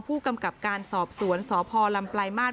ผู้กำกับการสอบสวนสพลำปลายมาตร